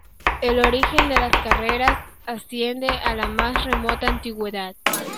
El origen de las carreras asciende a la más remota antigüedad.